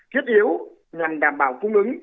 thiết yếu nhằm đảm bảo cung ứng